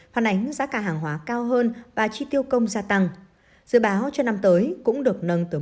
phản ánh giá cả hàng hóa cao hơn và chi tiêu công gia tăng dự báo cho năm tới cũng được nâng tới